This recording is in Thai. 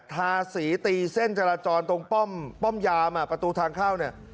ทาสีตีเส้นจราจรตรงป้อมยามประตูทางเข้าเนี่ย